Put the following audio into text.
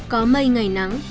có mây ngày nắng